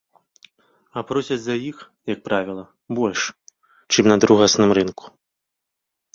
А просяць за іх, як правіла, больш, чым на другасным рынку.